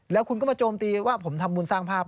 แล้วคุณก็มาโจมตีว่าผมทำบุญสร้างภาพ